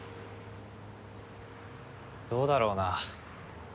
どうだろうな。